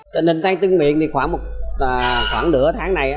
trên hình tay tương miện thì khoảng nửa tháng này